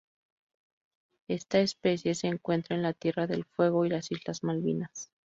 Esta especie se encuentra en la Tierra del Fuego y las Islas Malvinas.